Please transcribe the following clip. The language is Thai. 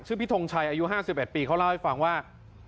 พี่ทงชัยอายุ๕๑ปีเขาเล่าให้ฟังว่า